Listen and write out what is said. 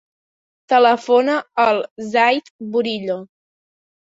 Telefona al Zayd Burillo.